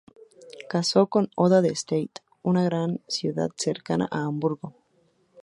Casó con Oda de Stade, una ciudad cercana a Hamburgo.